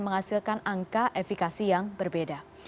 menghasilkan angka efekasi yang berbeda